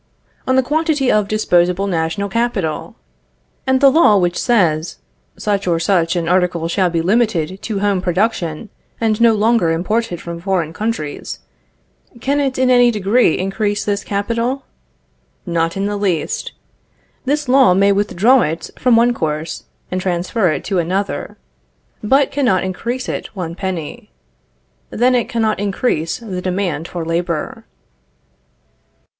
On the quantity of disposable national capital. And the law which says, "such or such an article shall be limited to home production and no longer imported from foreign countries," can it in any degree increase this capital? Not in the least. This law may withdraw it from one course, and transfer it to another; but cannot increase it one penny. Then it cannot increase the demand for labor.